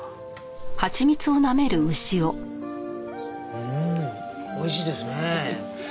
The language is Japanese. うんおいしいですねえ。